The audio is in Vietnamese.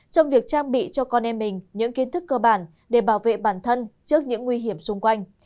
trong việc trang bị cho con em mình những kiến thức cơ bản để bảo vệ bản thân trước những nguy hiểm xung quanh